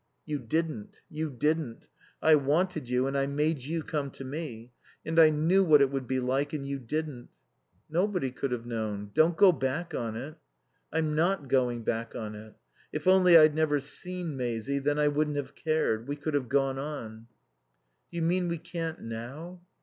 "You didn't. You didn't. I wanted you and I made you come to me. And I knew what it would be like and you didn't." "Nobody could have known. Don't go back on it." "I'm not going back on it. If only I'd never seen Maisie then I wouldn't have cared. We could have gone on." "Do you mean we can't now?"